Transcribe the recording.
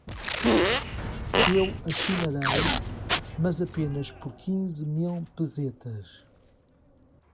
Eu assinarei, mas apenas por quinze mil pesetas.